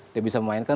dia bisa memainkan